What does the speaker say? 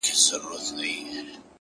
ټول عمر تكه توره شپه وي رڼا كډه كړې”